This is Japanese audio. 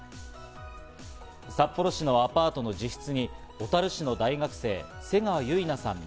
札幌市のアパートの自室に小樽市の大学生・瀬川結菜さん